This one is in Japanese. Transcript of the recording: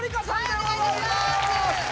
はいお願いいたします